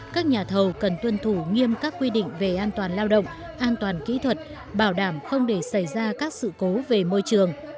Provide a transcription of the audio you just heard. các nhà thầu cần tuân thủ nghiêm các quy định về an toàn lao động an toàn kỹ thuật bảo đảm không để xảy ra các sự cố về môi trường